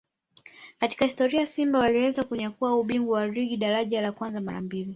katika historia Simba waliweza kunyakua ubingwa wa ligi daraja la kwanza mara mbili